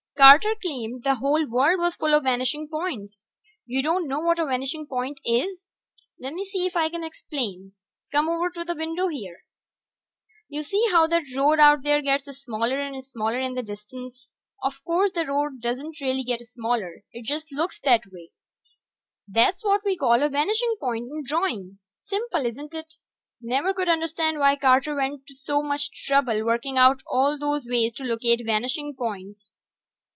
Carter claimed the whole world was full of vanishing points. You don't know what a vanishing point is? Lemme see if I can explain. Come over to the window here. Ya see how that road out there gets smaller and smaller in the distance? Of course the road doesn't really get smaller it just looks that way. That's what we call a vanishing point in drawing. Simple, isn't it? Never could understand why Carter went to so much trouble working out all those ways to locate vanishing points.